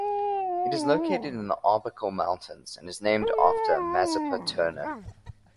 It is located in the Arbuckle Mountains and is named after Mazeppa Turner.